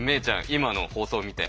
今の放送を見て。